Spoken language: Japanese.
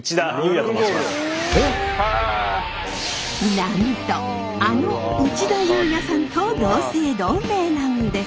なんとあの内田裕也さんと同姓同名なんです。